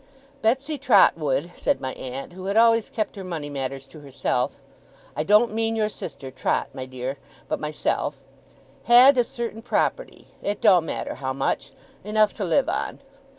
'Betsey Trotwood,' said my aunt, who had always kept her money matters to herself. ' I don't mean your sister, Trot, my dear, but myself had a certain property. It don't matter how much; enough to live on.